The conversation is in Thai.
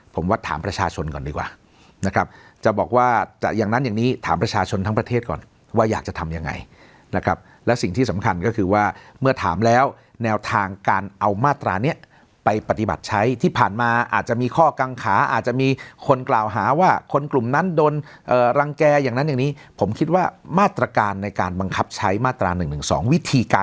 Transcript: ผมวัดถามประชาชนก่อนดีกว่านะครับจะบอกว่าจะอย่างนั้นอย่างนี้ถามประชาชนทั้งประเทศก่อนว่าอยากจะทำยังไงนะครับและสิ่งที่สำคัญก็คือว่าเมื่อถามแล้วแนวทางการเอามาตรานี้ไปปฏิบัติใช้ที่ผ่านมาอาจจะมีข้อกังขาอาจจะมีคนกล่าวหาว่าคนกลุ่มนั้นโดนรังแก่อย่างนั้นอย่างนี้ผมคิดว่ามาตรการในการบังคับใช้มาตรา๑๑๒วิธีการ